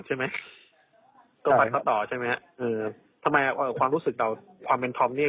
ใช่ไหมใช่ใช่ไหมเออทำไมเอ่อความรู้สึกต่อความเป็นเนี่ย